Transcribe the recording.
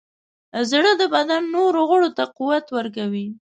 زړه د بدن نورو غړو ته قوت ورکوي.